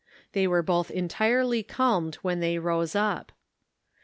They were both entirely calmed when they rose up.